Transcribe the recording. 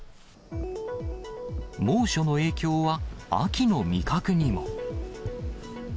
猛暑の影響は、秋の味覚にも。